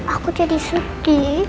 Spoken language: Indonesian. aku jadi sedih